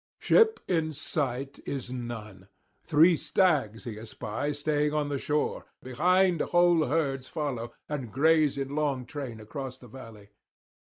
Ship in sight is none; three stags he espies straying on the shore; behind whole herds follow, and graze in long train across the valley.